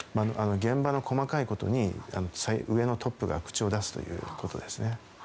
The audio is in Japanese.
現場の細かいことに上のトップが口を出すということですね。